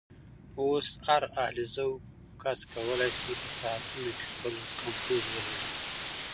اوس هر اهل ذوق کس کولی شي په ساعتونو کې خپل کمپوز ولري.